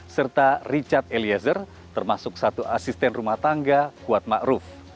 serta richard eliezer termasuk satu asisten rumah tangga kuatma ruf